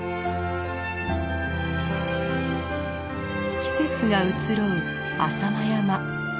季節が移ろう浅間山。